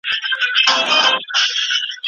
اوس یې تر پاڼو بلبلکي په ټولۍ نه راځي